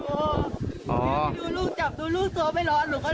ดูลูกจับดูลูกตัวไม่รอดหนูก็เลยอ้อน